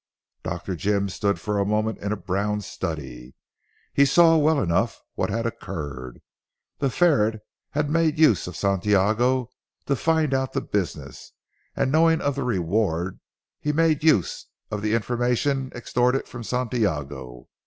Dr. Jim stood for a moment in a brown study. He saw well enough what had occurred. The ferret had made use of Santiago to find out the business, and knowing of the reward had made use of the information extorted from Santiago.